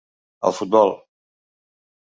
al futbol.